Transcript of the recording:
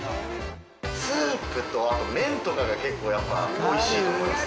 スープと、あと麺とかがやっぱ結構やっぱりおいしいと思います。